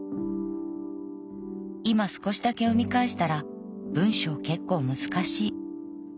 いま少しだけ読み返したら文章けっこう難しい。